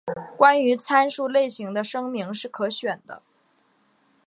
关于参数类型的声明是可选的。